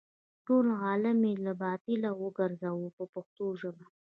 ټول عالم یې له باطله وګرځاوه په پښتو ژبه.